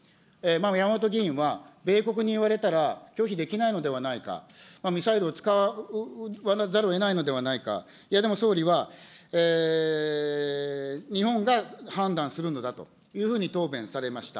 山本議員は米国に言われたら拒否できないのではないか、ミサイルを使わざるをえないのではないか、いや、でも総理は、日本が判断するのだというふうに答弁されました。